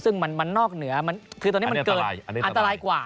ซึ่งมันนอกเหนือคือตอนนี้มันเกิดอันตรายกว่า